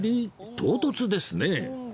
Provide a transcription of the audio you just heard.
唐突ですね